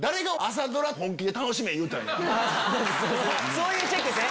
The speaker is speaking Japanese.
そういうチェックですね！